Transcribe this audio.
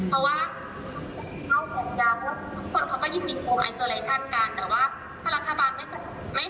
คือซัพพอร์ตเรื่องอาหารเหมือนตามที่ประชาสำคัญหน่อยได้ไหม